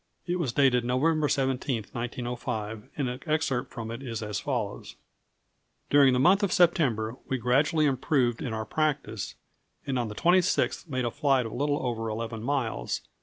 It was dated November 17, 1905, and an excerpt from it is as follows: "During the month of September we gradually improved in our practice, and on the 26th made a flight of a little over 11 miles.